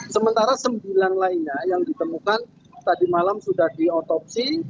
sementara sembilan lainnya yang ditemukan tadi malam sudah diotopsi